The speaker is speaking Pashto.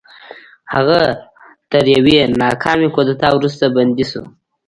هغه تر یوې ناکامې کودتا وروسته بندي شو.